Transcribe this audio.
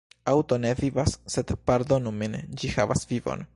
Aŭto ne vivas sed – pardonu min – ĝi havas vivon.